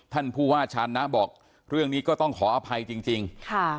ท่านผู้ว่าชาญนะบอกเรื่องนี้ก็ต้องขออภัยจริงจริงค่ะ